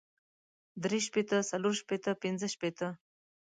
درې شپېته څلور شپېته پنځۀ شپېته